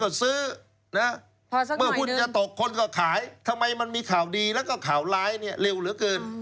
ปั่นหุ้นขายได้ดีใช่แล้วคุณนิวอยากทราบไหมว่าตลาดหลักทรัพย์เขาปั่นกันอย่างไร